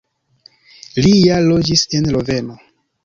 Li ja loĝis en Loveno.